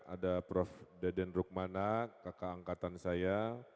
ada prof deden rukmana kakak angkatan saya